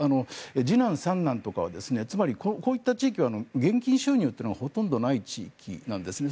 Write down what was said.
次男、三男とかはつまりこういった地域は現金収入というのがほとんどない地域なんですね。